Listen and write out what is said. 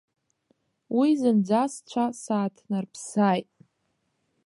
Уи зынӡа сцәа сааҭнарԥсааит.